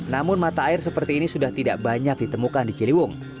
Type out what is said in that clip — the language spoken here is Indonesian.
namun mata air seperti ini sudah tidak banyak ditemukan di ciliwung